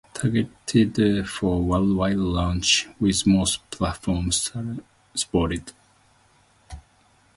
Targeted for worldwide launch with most platforms supported.